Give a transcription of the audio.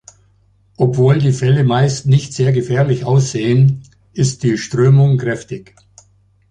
Obwohl die Fälle meist nicht sehr gefährlich aussehen, ist die Strömung kräftig.